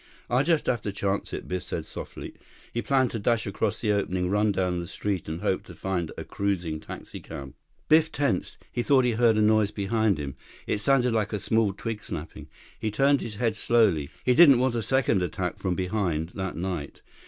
"I'll just have to chance it," Biff said softly. He planned to dash across the opening, run down the street, and hope to find a cruising taxicab. Biff tensed. He thought he heard a noise behind him. It sounded like a small twig snapping. He turned his head slowly. He didn't want a second attack from behind that night.